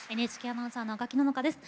ＮＨＫアナウンサーの赤木野々花です。